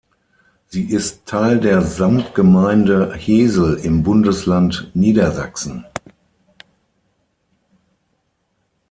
Sie ist Teil der Samtgemeinde Hesel im Bundesland Niedersachsen.